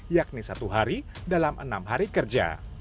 yakni satu hari dalam enam hari kerja